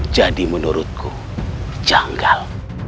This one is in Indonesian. jadi menurutku janggal